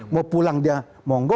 mau pulang dia monggo